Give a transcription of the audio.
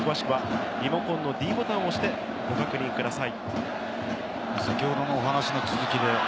詳しくはリモコンのｄボタンを押してご確認ください。